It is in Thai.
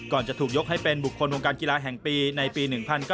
จะถูกยกให้เป็นบุคคลวงการกีฬาแห่งปีในปี๑๙๙